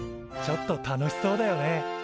ちょっと楽しそうだよね。